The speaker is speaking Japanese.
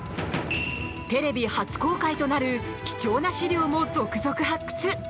テレビ初公開となる貴重な資料も続々発掘。